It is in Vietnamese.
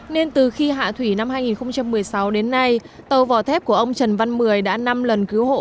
nên từ khi hạ thủy năm hai nghìn một mươi sáu đến nay tàu vỏ thép của ông trần văn mười đã năm lần cứu hộ